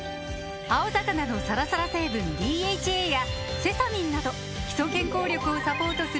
青魚のサラサラ成分ＤＨＡやセサミンなど基礎健康力をサポートする